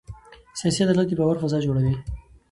سیاسي عدالت د باور فضا جوړوي